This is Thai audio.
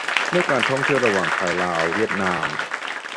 เมื่อการท่องเที่ยวระหว่าง ไทยลาวเวียดนาม